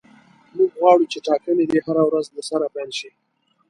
موږ غواړو چې ټاکنې دې هره ورځ له سره پیل شي.